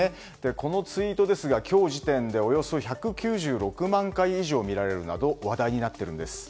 このツイートですが今日時点でおよそ１９６万回以上見られるなど話題になっているんです。